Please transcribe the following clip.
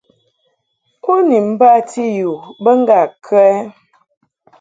U bi mbati yu bə ŋgâ kə ɛ?